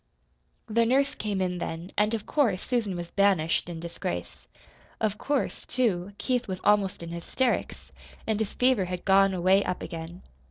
The nurse came in then, and of course Susan was banished in disgrace. Of course, too, Keith was almost in hysterics, and his fever had gone away up again.